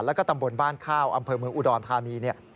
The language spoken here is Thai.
แล้วก็ตำบลบ้านข้าวอำเภอเมืองอุดรธานี